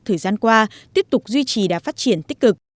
thời gian qua tiếp tục duy trì đã phát triển tích cực